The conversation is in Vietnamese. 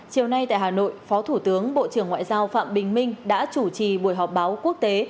chiều nay tại hà nội phó thủ tướng bộ trưởng ngoại giao phạm bình minh đã chủ trì buổi họp báo quốc tế